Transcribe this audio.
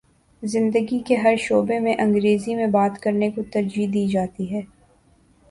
زندگی کے ہر شعبے میں انگریزی میں بات کر نے کو ترجیح دی جاتی ہے